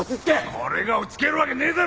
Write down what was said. これが落ち着けるわけねえだろ！